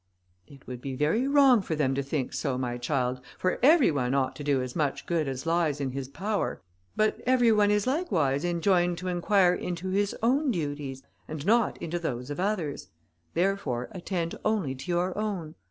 "It would be very wrong for them to think so, my child, for every one ought to do as much good as lies in his power; but every one is likewise enjoined to inquire into his own duties, and not into those of others; therefore attend only to your own.